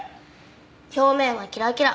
表面はキラキラ。